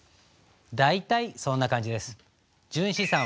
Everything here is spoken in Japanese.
大体そんな感じです。